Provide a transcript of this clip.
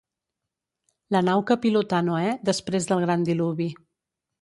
La nau que pilotà Noè després del gran diluvi.